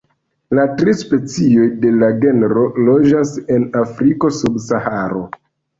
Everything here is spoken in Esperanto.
La tri specioj de la genro loĝas en Afriko sub Saharo.